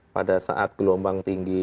pada saat gelombang tinggi